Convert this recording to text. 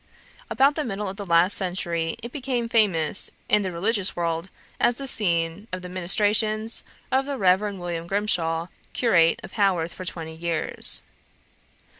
About the middle of the last century, it became famous in the religious world as the scene of the ministrations of the Rev. William Grimshaw, curate of Haworth for twenty years.